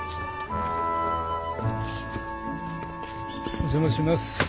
お邪魔します。